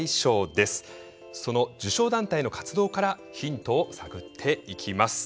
その受賞団体の活動からヒントを探っていきます。